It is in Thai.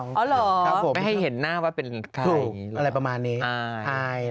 อ๋อเหรอไม่ให้เห็นหน้าว่าเป็นใครหรอถูกอะไรประมาณนี้